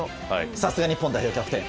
さすが日本代表キャプテン！